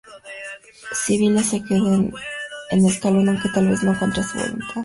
Sibila se quedó en Ascalón, aunque tal vez no contra su voluntad.